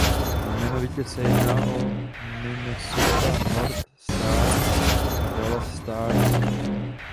Jmenovitě se jedná o Minnesota North Stars a Dallas Stars.